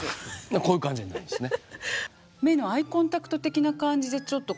こういう感じになるんですね。